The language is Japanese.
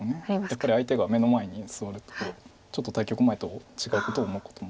やっぱり相手が目の前に座るとちょっと対局前と違うことを思うことも。